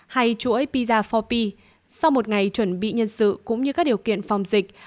hay chuỗi pizza bốn p sau một ngày chuẩn bị nhân sự cũng như các điều kiện phòng dịch